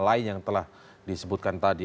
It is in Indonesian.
lain yang telah disebutkan tadi